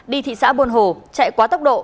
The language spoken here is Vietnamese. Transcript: đi thị xã buôn hồ chạy quá tốc độ